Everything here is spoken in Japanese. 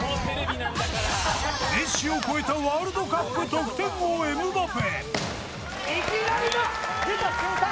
メッシを超えたワールドカップ得点王・エムバペ。